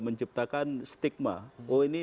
menciptakan stigma oh ini